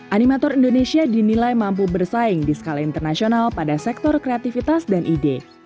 animator indonesia dinilai mampu bersaing di skala internasional pada sektor kreativitas dan ide